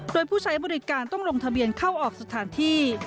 โดยผู้ใช้บริการต้องลงทะเบียนเข้าออกสถานที่